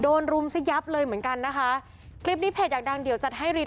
รุมซะยับเลยเหมือนกันนะคะคลิปนี้เพจอยากดังเดี๋ยวจัดให้ริม